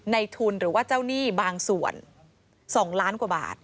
ในทุนหรือว่าเจ้าหนี้บางส่วน๒ล้านกว่าบาท